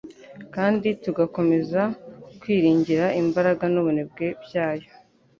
kandi tugakomeza kwiringira imbaraga n'ubwenge bwayo,